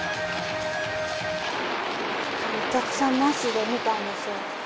お客さんなしで見たんですよ。